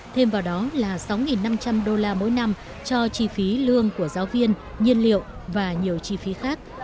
thêm vào đó là sáu năm trăm linh đô la mỗi năm cho chi phí lương của giáo viên nhiên liệu và nhiều chi phí khác